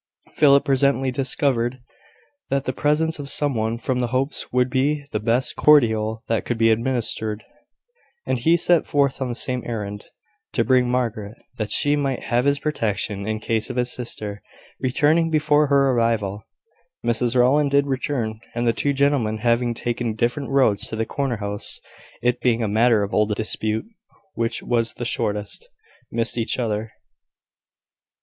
Philip presently discovered that the presence of some one from the Hopes would be the best cordial that could be administered; and he set forth on the same errand to bring Margaret, that she might have his protection in case of his sister returning before her arrival. Mrs Rowland did return: and the two gentlemen, having taken different roads to the corner house (it being a matter of old dispute which was the shortest) missed each other.